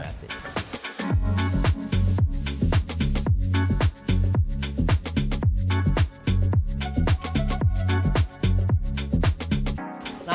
oke terima kasih